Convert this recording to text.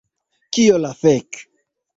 Kio la fek?